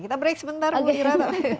kita break sebentar bu ira